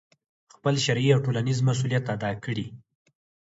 خپل شرعي او ټولنیز مسؤلیت ادا کړي،